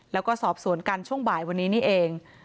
แล้วก็สอบสวนกันช่วงบ่ายวันนี้นี่เอง